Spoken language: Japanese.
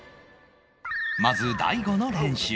まず大悟の練習